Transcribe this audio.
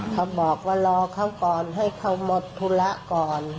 เขาบอกว่ารอเขาก่อนให้เขาหมดธุระก่อน